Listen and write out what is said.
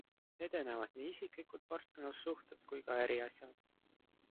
Edenevad nii isiklikud partnerlussuhted kui ka äriasjad.